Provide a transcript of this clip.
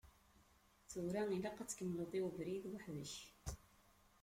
Tura ilaq ad tkemmleḍ i ubrid weḥd-k.